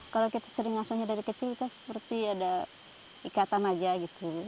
kalau kita sering ngasuhnya dari kecil kita seperti ada ikatan aja gitu